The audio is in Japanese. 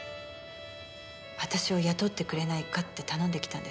「私を雇ってくれないか」って頼んできたんです。